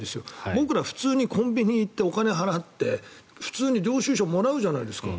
僕ら普通にコンビニに行ってお金払って普通に領収書もらうじゃないですか。